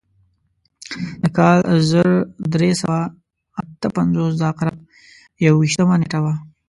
د کال زر درې سوه اته پنځوس د عقرب یو ویشتمه نېټه وه.